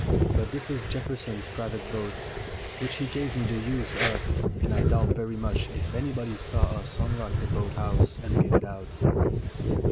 But this is Jefferson's private boat, which he gave me the use of, and I doubt very much if anybody saw us unlock the boat house and get it out.